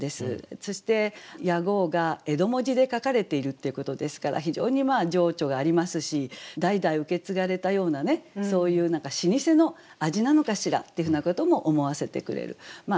そして屋号が江戸文字で書かれているっていうことですから非常に情緒がありますし代々受け継がれたようなねそういう何か老舗の味なのかしらっていうふうなことも思わせてくれる仕立てのいい一句だったと思います。